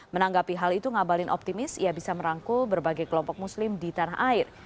menanggapi hal itu ngabalin optimis ia bisa merangkul berbagai kelompok muslim di tanah air